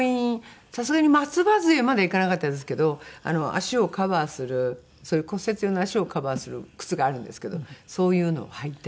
さすがに松葉杖まではいかなかったですけど足をカバーするそういう骨折用の足をカバーする靴があるんですけどそういうのを履いて。